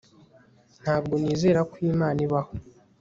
Ntabwo nizera ko Imana ibaho